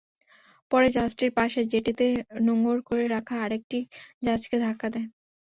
পরে জাহাজটি পাশের জেটিতে নোঙর করে রাখা আরেকটি জাহাজকে ধাক্কা দেয়।